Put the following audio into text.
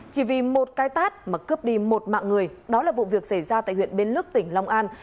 chỉ vì một cái tát mà cướp đi một mạng người đó là vụ việc xảy ra tại huyện bến lức tỉnh long an